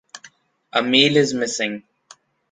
A meal is missing.